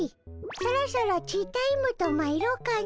そろそろティータイムとまいろうかの。